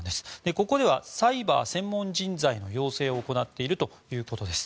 ここではサイバー専門人材の養成を行っているということです。